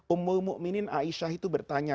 ummul mu'minin aisyah itu bertanya